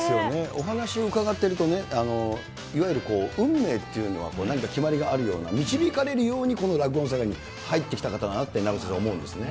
お話伺ってるとね、いわゆる運命っていうのは何か決まりがあるような、導かれるように、この落語の世界に入ってきた方だなって、名越先生、思うんですね。